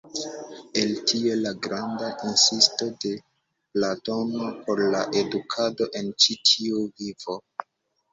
El tio la granda insisto de Platono por la edukado en ĉi tiu vivo.